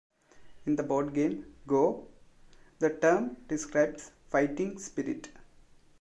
In the board game "Go" the term describes fighting spirit.